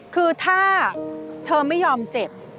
คือถ้าเธอไม่ยอมเจ็บ